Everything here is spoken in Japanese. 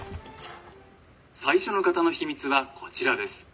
「最初の方の秘密はこちらです」。